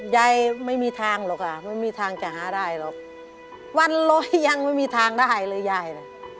ยายไม่มีทางหรอกค่ะไม่มีทางจะหาได้หรอกวันร้อยยังไม่มีทางได้เลยยายน่ะ